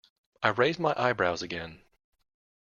I raised the eyebrows again.